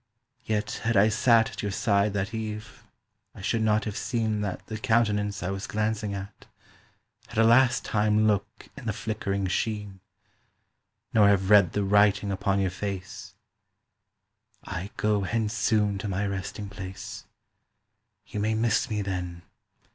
. Yet had I sat At your side that eve I should not have seen That the countenance I was glancing at Had a last time look in the flickering sheen, Nor have read the writing upon your face, "I go hence soon to my resting place; "You may miss me then.